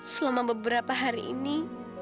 selama beberapa hari ini